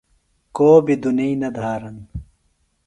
کو بیۡ دُنیئیۡ نہ دھرانہ۔